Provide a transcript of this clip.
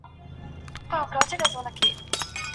راتلونکی په اوس کي جوړېږي.